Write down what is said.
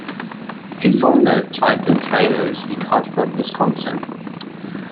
He founded Triton Trailers in Hartford, Wisconsin.